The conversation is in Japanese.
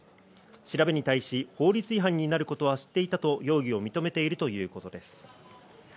調べに対し法律違反になることは知っていたと容疑を認めているということです。